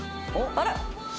あら！